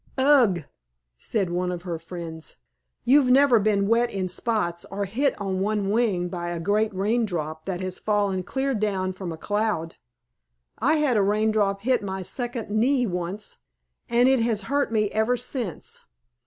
"Ugh!" said one of her friends. "You've never been wet in spots, or hit on one wing by a great rain drop that has fallen clear down from a cloud. I had a rain drop hit my second right knee once, and it has hurt me ever since.